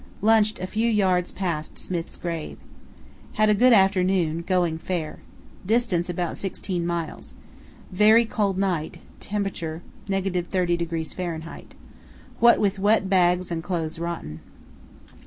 Lunched a few yards past Smith's grave. Had a good afternoon, going fair. Distance about sixteen miles. Very cold night, temperature –30° Fahr. What with wet bags and clothes, rotten.